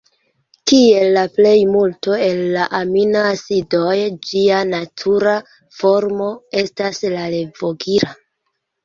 Kiel la plejmulto el la aminoacidoj, ĝia natura formo estas la levogira.